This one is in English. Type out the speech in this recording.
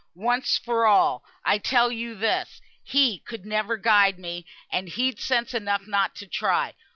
once for all! I tell yo this. He could never guide me; and he'd sense enough not to try.